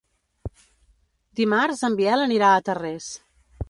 Dimarts en Biel anirà a Tarrés.